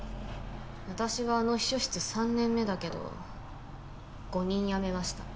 私はあの秘書室３年目だけど５人辞めました。